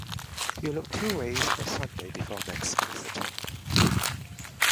You'll look two ways for Sunday before I'm explicit.